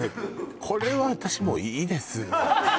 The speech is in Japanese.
これは私もういいです